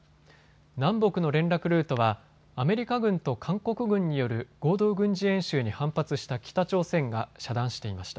南北の連絡ルートはアメリカ軍と韓国軍による合同軍事演習に反発した北朝鮮が遮断していました。